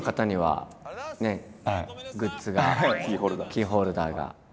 キーホルダーです。